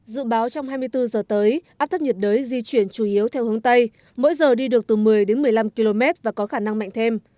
dự báo trong hai mươi bốn giờ tới áp thấp nhiệt đới di chuyển chủ yếu theo hướng tây mỗi giờ đi được từ một mươi một mươi năm km và có khả năng mạnh thêm